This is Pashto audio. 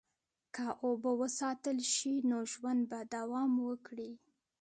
که اوبه وساتل شي، نو ژوند به دوام وکړي.